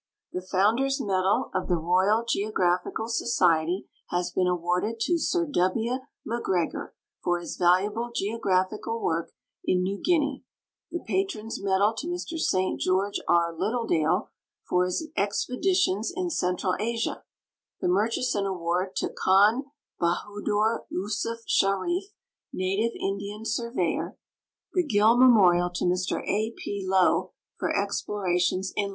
The Founders' medal of the Royal Geographical Society has been awarded to Sir W. Macgregor for his valuable geograi)hical work in New Guinea; the Patrons' me<lal to Mr St. George R. Littleilale for his expe ditions in Central Asia; the Mun; hison award to Khan Bahadur Yusuf Sharif, native Indian surveyor; the (till memorial to Mr A. P. Low for explorations in I.